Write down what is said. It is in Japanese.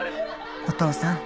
お父さん